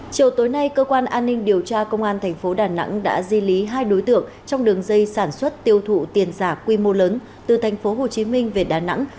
chiều tối nay cơ quan an ninh điều tra công an tp đà nẵng đã di lý hai đối tượng trong đường dây sản xuất tiêu thụ tiền giả quy mô lớn từ tp hcm về đà nẵng